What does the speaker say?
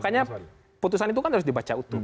makanya putusan itu kan harus dibaca utuh